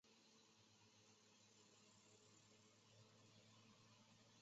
然后可以从这些存储的原始图像计算对象的图像。